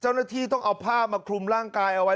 เจ้าหน้าที่ต้องเอาผ้ามาคลุมร่างกายเอาไว้